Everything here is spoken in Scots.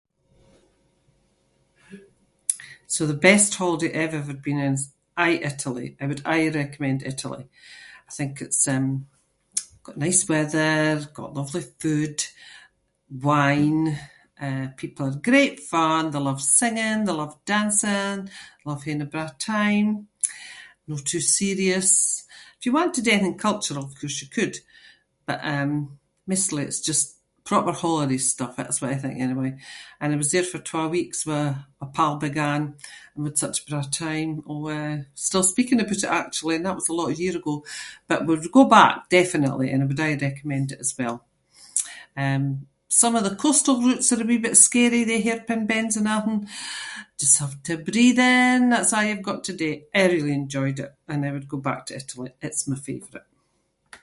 So the best holiday I’ve ever been on is aie Italy. I would aie recommend Italy. I think it’s, um, got nice weather, got lovely food, wine. Eh, people are great fun. They love singing, they love dancing, love haeing a braw time, no too serious- if you want to do anything cultural, of course you could but, um, maistly it’s just proper holiday stuff- that’s what I think anyway. And I was there for twa weeks with my pal, big Anne, and we had such a braw time. We still speaking aboot it actually and that was a lot of year ago but we’d go back, definitely, and I’d aie recommend it as well. Um, some of the coastal routes are a wee bit scary they hairpin bends and athing. Just have to breathe in, that’s a’ you've got to do. I really enjoyed it and I would go back to Italy. It’s my favourite.